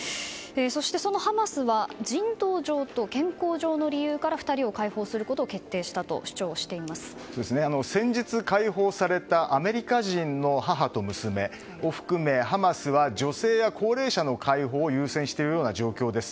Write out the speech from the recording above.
ハマスは人道上と健康上の理由から２人を解放する決定を先日解放されたアメリカ人の母と娘を含めハマスは女性や高齢者の解放を優先している状況です。